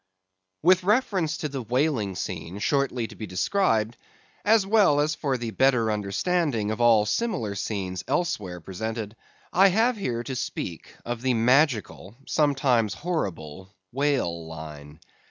With reference to the whaling scene shortly to be described, as well as for the better understanding of all similar scenes elsewhere presented, I have here to speak of the magical, sometimes horrible whale line.